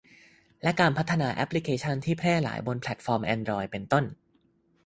และการพัฒนาแอพลิเคชั่นที่แพร่หลายบนแพลทฟอร์มแอนดรอยด์ เป็นต้น